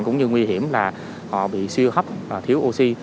cũng như nguy hiểm là họ bị siêu hấp và thiếu oxy